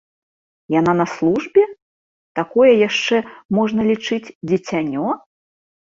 Яна на службе, такое яшчэ, можна лічыць, дзіцянё?